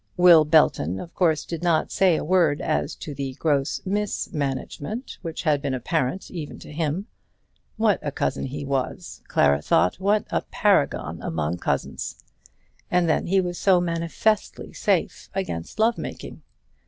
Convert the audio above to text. Will Belton of course did not say a word as to the gross mismanagement which had been apparent even to him. What a cousin he was! Clara thought, what a paragon among cousins! And then he was so manifestly safe against love making!